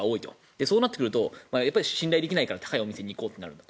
そうなってくると信頼できないから高いお店に行こうとなると。